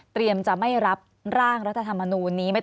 เตรียมจะไม่รับร่างรัฐธรรมนูลนี้